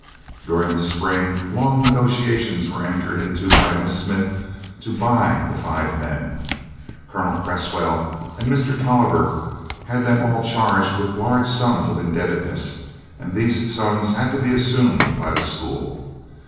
During the Spring long negotiations were entered into by Miss Smith to "buy" the five men. Colonel Cresswell and Mr. Tolliver had them all charged with large sums of indebtedness and these sums had to be assumed by the school.